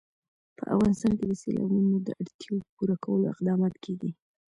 په افغانستان کې د سیلابونو د اړتیاوو پوره کولو اقدامات کېږي.